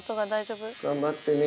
頑張ってね。